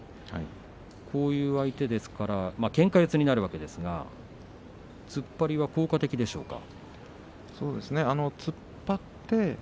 こういう相手ですからけんか四つになるわけですが突っ張りは効果的でしょうか？